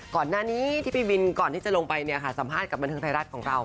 ก่อนหน้านี้ที่พี่บินก่อนที่จะลงไปเนี่ยค่ะสัมภาษณ์กับบันเทิงไทยรัฐของเรา